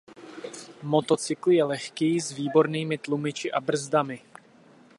Motocykl je lehký s výbornými tlumiči a brzdami.